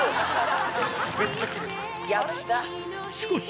しかし